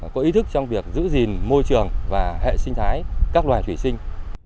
có ý thức trong việc giữ gìn môi trường và hệ sinh thái các loài thủy sinh